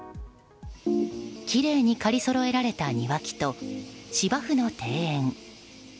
きれいに刈りそろえられた庭木と芝生の庭園。